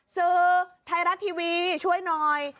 สื่อไทยรัฐทีวีช่วยหน่อย